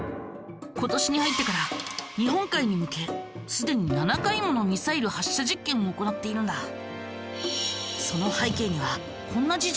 今年に入ってから日本海に向けすでに７回ものミサイル発射実験を行っているんだ。